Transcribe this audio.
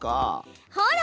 ほら！